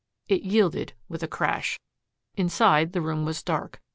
It yielded with a crash. Inside the room was dark.